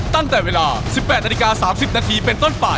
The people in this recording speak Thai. ตั้งแต่เวลา๑๘นาฬิกา๓๐นาทีเป็นต้นไป